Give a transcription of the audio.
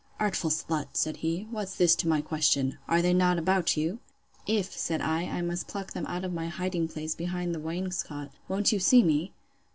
Artful slut! said he, What's this to my question?—Are they not about you?—If, said I, I must pluck them out of my hiding place behind the wainscot, won't you see me?